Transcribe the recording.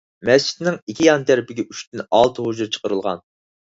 مەسچىتنىڭ ئىككى يان تەرىپىگە ئۈچتىن ئالتە ھۇجرا چىقىرىلغان.